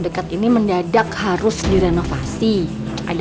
pak kamil bisa ga taruhan sih